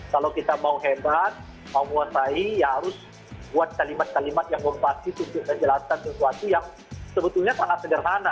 kalau kita mau hebat mau menguasai ya harus buat kalimat kalimat yang membatik untuk menjelaskan sesuatu yang sebetulnya sangat sederhana